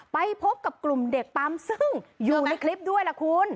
ไปพบกับกลุ่มเด็กปั๊มซึ่งอยู่ในคลิปด้วยล่ะคุณ